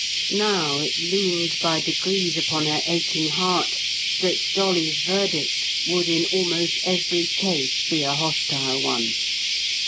Now it loomed by degrees upon her aching heart that Dolly's verdict would in almost every case be a hostile one.